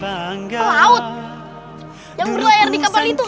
yang berlayar di kapal itu